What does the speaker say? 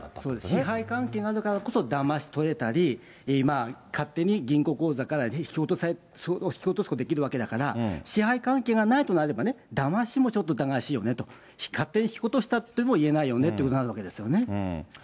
支配関係があるからこそ、だまし取れたり、勝手に銀行口座から引き落とすことができるわけだから、支配関係がないとなればね、だましもちょっと疑わしいよね、勝手に引き落としたとも言えないよねってことになるわけですよね。